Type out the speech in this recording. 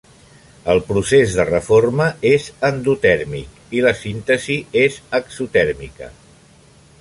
El procés de reforma és endotèrmic i la síntesi és exotèrmica.